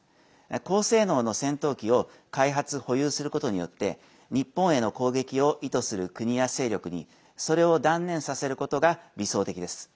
高性能の戦闘機を開発・保有することによって日本への攻撃を意図する国や勢力に、それを断念させることが理想的です。